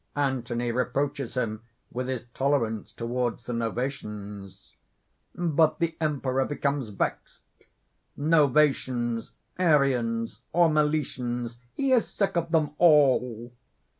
Anthony reproaches him with his tolerance toward the Novations. But the Emperor becomes vexed. Novations, Arians or Meletians he is sick of them all!